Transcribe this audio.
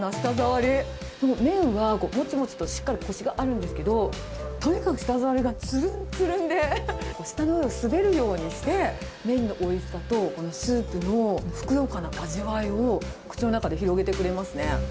でも、麺はもちもちとした、しっかりこしがあるんですけど、とにかく舌触りがつるんつるんで、舌の上を滑るようにして、麺のおいしさと、このスープのふくよかな味わいを口の中で広げてくれますね。